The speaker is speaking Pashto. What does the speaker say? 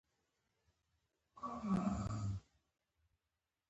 د پستې ځنګلونه وحشي دي؟